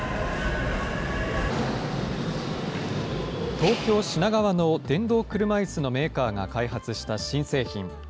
東京・品川の電動車いすのメーカーが開発した新製品。